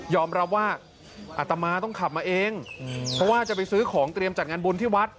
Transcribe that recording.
รับว่าอัตมาต้องขับมาเองเพราะว่าจะไปซื้อของเตรียมจัดงานบุญที่วัด